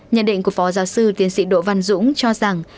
nhận định của phó giáo sư tiến sĩ đỗ văn dũng cho rằng